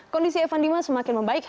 kondisi evan dimas semakin membaik